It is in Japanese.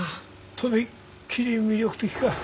とびっきり魅力的か？